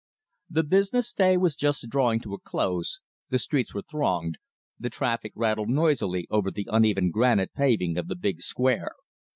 The business day was just drawing to a close, the streets were thronged, the traffic rattled noisily over the uneven granite paving of the big square.